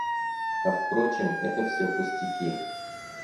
А впрочем, это все пустяки.